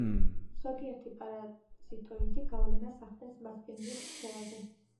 ზოგიერთი პარაზიტოიდი გავლენას ახდენს მასპინძლის ქცევაზე.